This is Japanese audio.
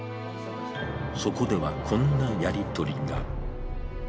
そこではこんなやり取りが。